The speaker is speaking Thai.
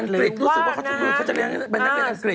กฤษรู้สึกว่าเขาจะเลี้ยงเป็นนักเรียนอังกฤษ